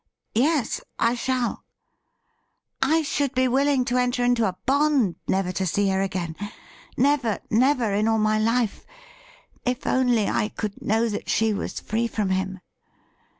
Yes, I shall ! I should be willing to enter into a bond never to see her again, never, never, in all my life, if only I could know that she was free from him.